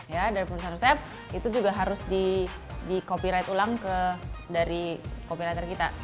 ya dari penerusan resep itu juga harus di copy write ulang ke dari copy writer kita